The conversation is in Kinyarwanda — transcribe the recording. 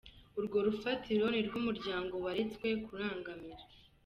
Urwo rufatiro nirwo umuryango weretswe kurangamira.